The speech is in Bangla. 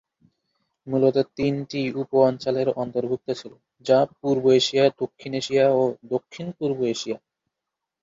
মূলত তিনটি উপ-অঞ্চল এর অন্তর্ভুক্ত ছিল যা পূর্ব এশিয়া, দক্ষিণ এশিয়া এবং দক্ষিণ-পূর্ব এশিয়া।